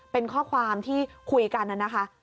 เป็นข้อความที่คุยกันนะคะ